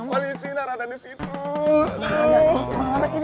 wali sinar ada disitu